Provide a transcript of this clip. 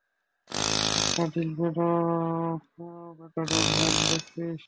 একটা নীল matador van দেখেছিস?